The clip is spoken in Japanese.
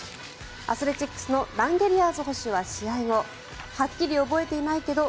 アスレチックスのランゲリアーズ捕手は試合後はっきり覚えていないけど